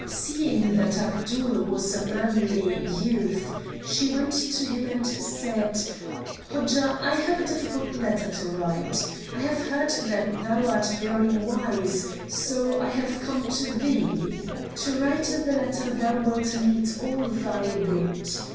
Seeing that Abdul was a manly youth, she went to him and said: "Hodja, I have a difficult letter to write. I have heard that thou art very wise, so I have come to thee. To write the letter thou wilt need all thy wit.